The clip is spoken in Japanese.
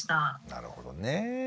なるほどねえ。